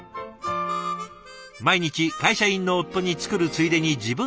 毎日会社員の夫に作るついでに自分の分も。